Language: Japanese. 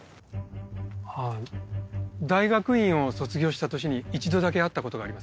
あぁ大学院を卒業した年に一度だけ会ったことがあります